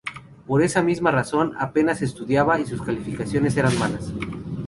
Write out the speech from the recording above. Por esa misma razón, apenas estudiaba y sus calificaciones eran malas.